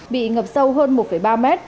bị ngập sâu hơn một ba m